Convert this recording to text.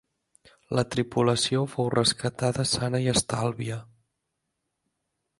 La tripulació fou rescatada sana i estalvia.